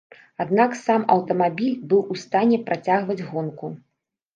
Аднак сам аўтамабіль быў у стане працягваць гонку.